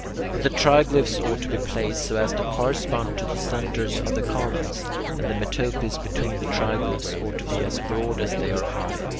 For the triglyphs ought to be placed so as to correspond to the centres of the columns, and the metopes between the triglyphs ought to be as broad as they are high.